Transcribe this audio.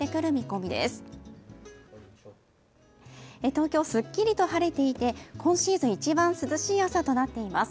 東京、すっきりと晴れていて今シーズン一番涼しい朝となっています。